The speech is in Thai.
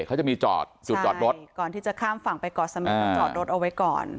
เขาจะมีจอดจุดจอดรถก่อนที่จะข้ามฝั่งไปเกาะเสม็ดเขาจอดรถเอาไว้ก่อน